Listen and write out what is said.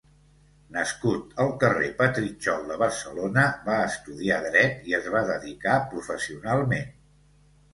Nascut al carrer Petritxol de Barcelona, va estudiar dret i es va dedicar professionalment.